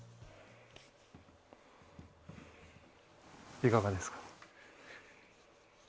いかがですか？